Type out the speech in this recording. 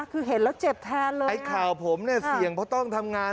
คือเห็นแล้วเจ็บแทนเลยไอ้ข่าวผมเนี่ยเสี่ยงเพราะต้องทำงาน